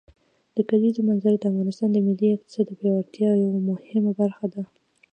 د کلیزو منظره د افغانستان د ملي اقتصاد د پیاوړتیا یوه مهمه برخه ده.